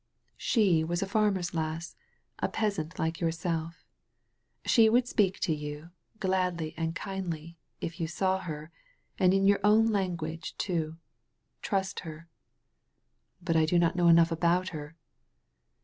*' ''She was a farmer's lass» a peasant like yourself. She would speak to you, gladly and kindly, if you saw her, and in your own language, too. Trust her." "But I do not know enough about her."